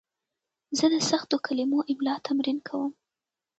زه د سختو کلمو املا تمرین کوم.